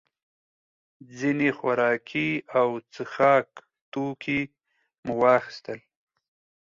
ځینې خوراکي او څښاک توکي مو واخیستل.